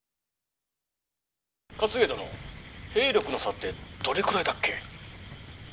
「勝家殿兵力の差ってどれくらいだっけ？」。